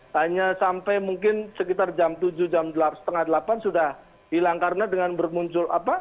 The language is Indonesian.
hanya sampai mungkin sekitar jam tujuh jam setengah delapan sudah hilang karena dengan bermuncul apa